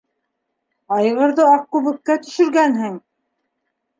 Айғырҙы аҡ күбеккә төшөргәнһең!